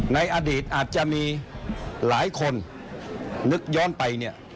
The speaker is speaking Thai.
ในอดีตอาจจะมีหลายคนนึกย้อนไปเนี่ย